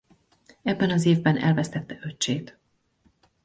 Ebben az évben elvesztette öccsét.